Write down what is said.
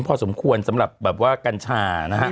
พอสมควรสำหรับกัญชานะฮะ